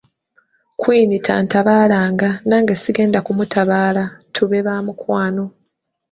Queen tantabaalanga, nange sigenda kumutabaala, tube ba mukwano.